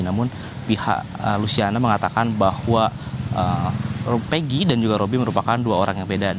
namun pihak luciana mengatakan bahwa peggy dan juga roby merupakan dua orang yang beda